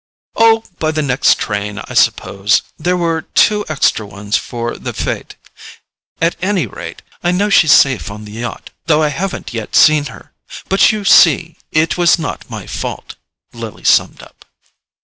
"Oh, by the next train, I suppose; there were two extra ones for the FETE. At any rate, I know she's safe on the yacht, though I haven't yet seen her; but you see it was not my fault," Lily summed up.